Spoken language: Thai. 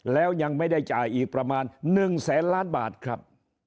แล้วยังไม่ได้จ่ายอีกประมาณ๑แสนล้านบาทครับ